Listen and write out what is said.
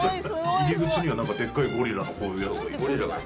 入り口には、なんかでかいゴリラのこういうやつがいる。